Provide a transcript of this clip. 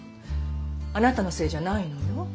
あなたのせいじゃないのよ。